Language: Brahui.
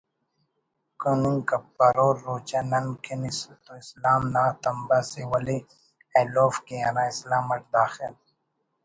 کننگپرور روچہ نن کن تواسلام نا تمبہ اسے ولے ایلوفک کہ ہرا اسلام اٹ داخل